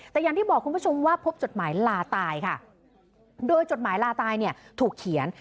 แต่อย่างที่บอกคุณผู้ชมว่าพบจดหมายลาตายค่ะโดยจดหมายลาตายเนี่ยถูกเขียน